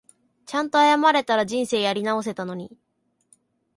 ちゃんと謝れたら人生やり直せたのに